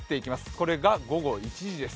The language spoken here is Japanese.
これが午後１時です。